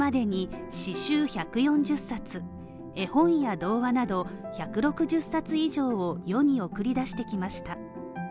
これまでに詩集１４０冊絵本や童話など１６０冊以上を世に送り出してきました。